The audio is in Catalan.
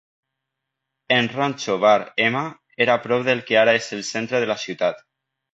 En ranxo Bar M era prop del que ara és el centre de la ciutat.